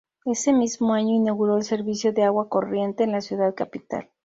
Ese mismo año inauguró el servicio de agua corriente en la ciudad capital.